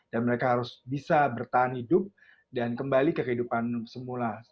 dan mereka harus bisa bertahan hidup dan kembali ke kehidupan semula